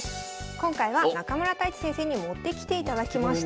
今回は中村太地先生に持ってきていただきました。